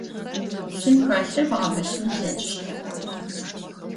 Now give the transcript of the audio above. Lhım xelhır bğebılhın plheç'ıştep.